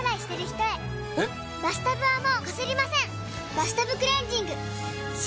「バスタブクレンジング」！